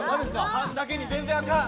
缶だけに全然あかん！